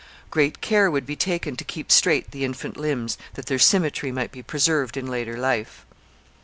Great care would be taken to keep straight the infant limbs, that their symmetry might be preserved in later life.